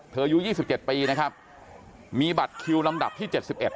เธออยู่๒๗ปีนะครับมีบัตรคิวด้ำดับที่๗๑